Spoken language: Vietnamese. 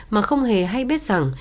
mà không hề hay biết rằng